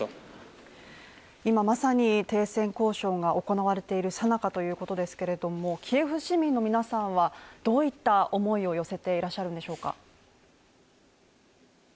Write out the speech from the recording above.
今まさに、停戦交渉が行われているさなかということですけどキエフ市民の皆さんはどういった思いを寄せていらっしゃるんでしょうか。